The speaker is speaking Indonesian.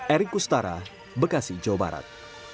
erik kustara bekasi jawa barat